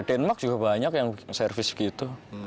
denmark juga banyak yang servis begitu